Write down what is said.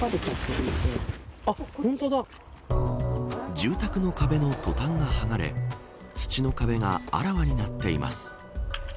住宅の壁のトタンが剥がれ土の壁があらわになっています。